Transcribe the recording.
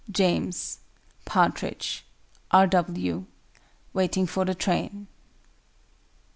JAMES. PARTRIDGE. R. W. WAITING FOR THE TRAIN.